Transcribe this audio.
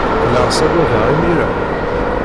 Qqleɣ ssaggadeɣ imir-a?